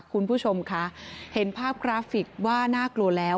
คุณผู้ชมคะเห็นภาพกราฟิกว่าน่ากลัวแล้ว